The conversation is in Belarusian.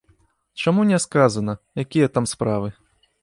Чаму не сказана, якія там справы?